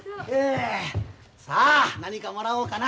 さあ何かもらおうかな。